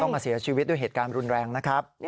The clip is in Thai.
มาเสียชีวิตด้วยเหตุการณ์รุนแรงนะครับ